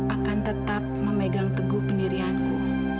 akan tetap memegang teguh pendirianku